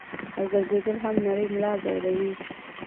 او ګرځېدل هم نرۍ ملا زوري -